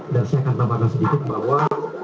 dan saya akan tampakkan sedikit bahwa